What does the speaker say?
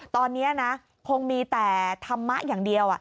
ตอนนี้นะคงมีแต่ธรรมะอย่างเดียว